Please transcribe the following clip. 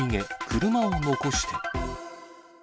車を残して。